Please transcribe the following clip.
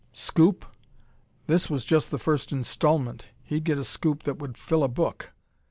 Scoop? This was just the first installment. He'd get a scoop that would fill a book!